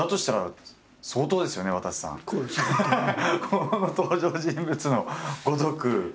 この登場人物のごとく。